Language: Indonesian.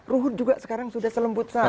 ruhut juga sekarang sudah selembut saya